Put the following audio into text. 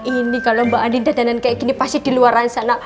ini kalau mbak anding dandanan kayak gini pasti di luar sana